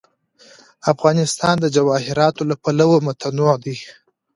افغانستان د جواهراتو له پلوه متنوع دی.